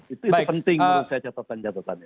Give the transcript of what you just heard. itu penting menurut saya catatan catatannya